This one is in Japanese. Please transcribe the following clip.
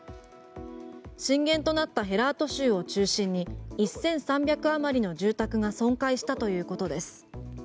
震源となったヘラート州を中心に１３００余りの住宅が損壊したということです。